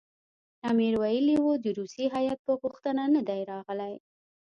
امیر ویلي وو د روسیې هیات په غوښتنه نه دی راغلی.